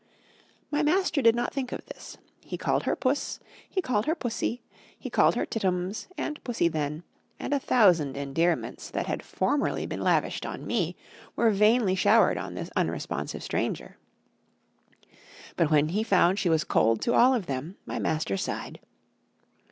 My master did not think of this. He called her "Puss"; he called her "Pussy"; he called her "Tittums" and "Pussy then"; and a thousand endearments that had formerly been lavished on me were vainly showered on this unresponsive stranger. But when he found she was cold to all of them, my master sighed.